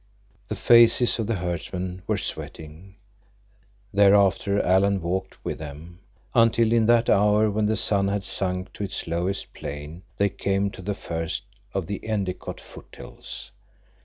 The faces of the herdsmen were sweating. Thereafter Alan walked with them, until in that hour when the sun had sunk to its lowest plane they came to the first of the Endicott foothills.